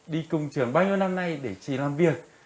đi cùng trường bao nhiêu năm nay để chỉ làm việc